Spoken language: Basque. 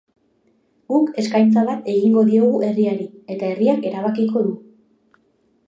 Guk eskaintza bat egingo diogu herriari, eta herriak erabakiko du.